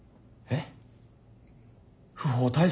えっ？